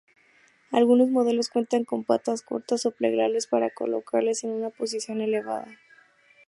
Algunos modelos cuentan con patas cortas o plegables para colocarlas en una posición elevada.